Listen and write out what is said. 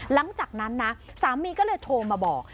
หลังจากนั้นนะสามีก็เลยโทรมาบอก